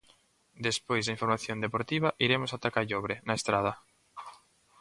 Despois da información deportiva, iremos ata Callobre, na Estrada.